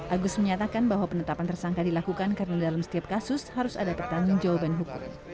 agus menyatakan bahwa penetapan tersangka dilakukan karena dalam setiap kasus harus ada pertanggung jawaban hukum